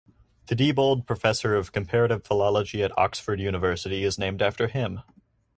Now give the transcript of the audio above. The Diebold Professor of Comparative Philology at Oxford University is named after him.